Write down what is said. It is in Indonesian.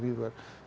pak rawi bukan